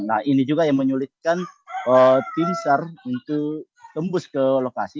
nah ini juga yang menyulitkan tim sar untuk tembus ke lokasi